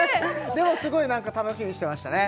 でもすごい楽しみにしてましたね